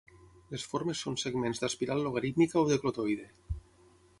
Les formes són segments d'espiral logarítmica o de clotoide.